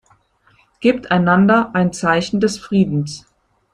Gebt einander ein Zeichen des Friedens.